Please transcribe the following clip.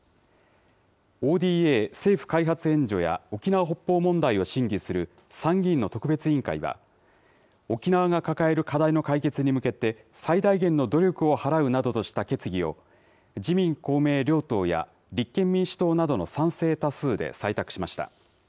ＯＤＡ・政府開発援助や沖縄北方問題を審議する参議院の特別委員会は、沖縄が抱える課題の解決に向けて、最大限の努力を払うなどとした決議を、自民、公明両党や、立憲民主党などの賛成多数で採択しました。